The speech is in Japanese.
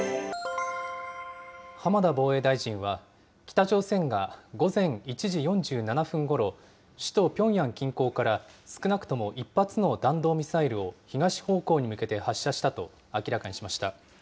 浜田防衛大臣は、北朝鮮が午前１時４７分ごろ、首都ピョンヤン近郊から、少なくとも１発の弾道ミサイルを東方向に向けて発射したと明らかにしました。